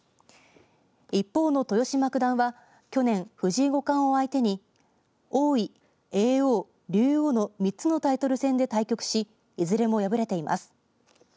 一方の豊島九段は去年藤井五冠を相手に王位、叡王、竜王の３つのタイトル戦で対局しいずれも敗れています。